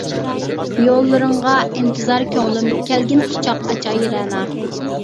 يوللىرىڭغا ئىنتىزار كۆڭلۈم، كەلگىن قۇچاق ئاچاي رەنا.